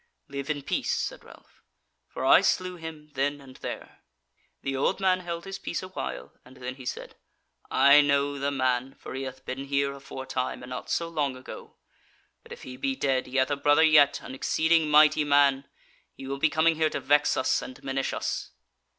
"Live in peace," said Ralph, "for I slew him then and there." The old man held his peace a while, and then he said: "I know the man, for he hath been here aforetime, and not so long ago. But if he be dead, he hath a brother yet, an exceeding mighty man: he will be coming here to vex us and minish us."